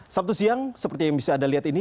sabtu siang seperti yang bisa anda lihat ini